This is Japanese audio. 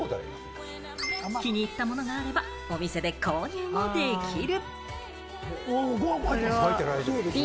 気に入ったものがあれば、お店で購入もできる。